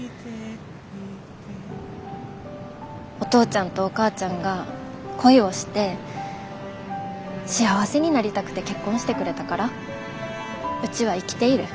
お父ちゃんとお母ちゃんが恋をして幸せになりたくて結婚してくれたからうちは生きている。